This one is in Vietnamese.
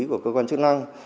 của cơ quan chức năng